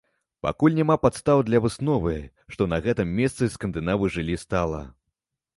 Пакуль няма падстаў для высновы, што на гэтым месцы скандынавы жылі стала.